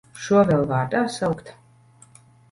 Šo vēl vārdā saukt!